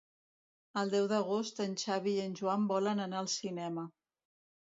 El deu d'agost en Xavi i en Joan volen anar al cinema.